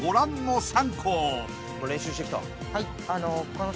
練習してきた？